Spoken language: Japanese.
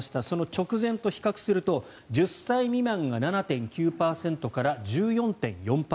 その直前と比較すると１０歳未満が７．９％から１４．４％。